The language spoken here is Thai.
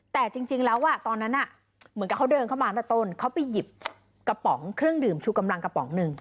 แต่จริงแล้วตอนนั้นเหมือนกับเขาเดินเข้ามาตั้งแต่ต้นเขาไปหยิบกระป๋องเครื่องดื่มชูกำลังกระป๋องหนึ่ง